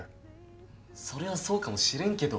そりゃあそうかもしれんけど。